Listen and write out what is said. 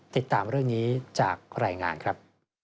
ติดตามเรื่องนี้จากรายงานครับ